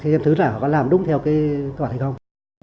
xem thứ nào họ có làm đúng theo cái tòa thị không